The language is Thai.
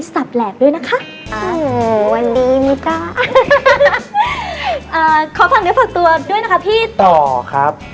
สับแหลกด้วยนะคะโอ้อ๋อคอฝากนึกฝากตัวด้วยนะคะพี่ต่อครับ